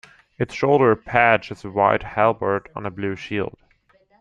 Its shoulder patch is a white halberd on a blue shield.